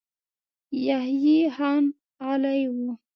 يحيی خان غلی و.